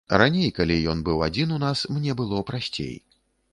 Раней, калі ён быў адзін у нас, мне было прасцей.